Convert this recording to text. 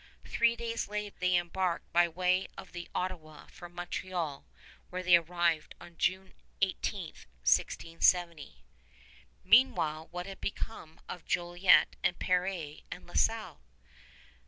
Three days late, they embarked by way of the Ottawa for Montreal, where they arrived on June 18, 1670. Meanwhile, what had become of Jolliet and Peré and La Salle?